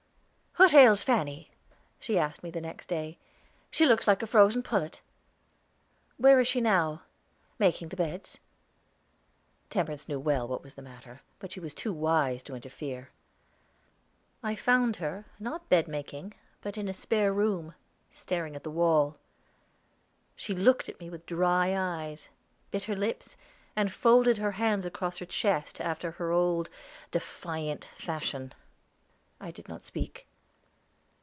"What ails Fanny?" she asked me the next day. "She looks like a froze pullet." "Where is she now?" "Making the beds." Temperance knew well what was the matter, but was too wise to interfere. I found her, not bed making, but in a spare room, staring at the wall. She looked at me with dry eyes, bit her lips, and folded her hands across her chest, after her old, defiant fashion. I did not speak.